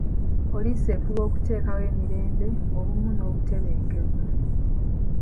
Poliisi efuba okuteekawo emirembe, obumu n'obutebenkevu.